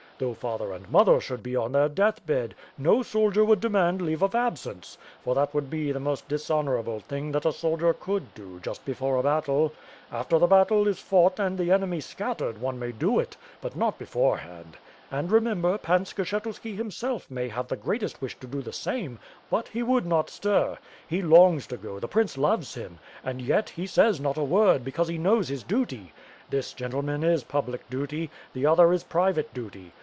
Though father and mother should be on their deathbed, no soldier would demand leave of absence; for that would be the most dishonorable thing that a soldier could do, just before a battle. After the battle is fought and the enemy WITH FIRE AND SWORD. ^55 Bcattered, one may do it, but not beforehand; and remember, Pan Skshetnski, himself, may have the greatest wish to do the same, but he would not stir. He longs to go, the Prince loves him; and yet, he says not a word, because he knows his duty. This, gentlemen, is public duty, the other is private duty.